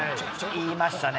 言いましたね。